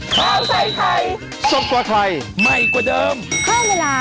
สวัสดีค่ะ